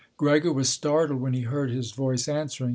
Gregor was startled when he heard his voice answering.